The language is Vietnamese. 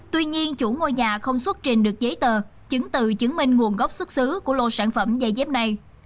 tuy nhiên chủ ngôi nhà không xuất trình được giấy tờ chứng từ chứng minh nguồn gốc xuất xứ của lô sản phẩm dây dép này